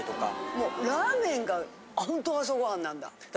もうラーメンがホント朝ご飯なんだ。